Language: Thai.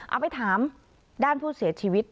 เอาไปถามด้านผู้เสียชีวิต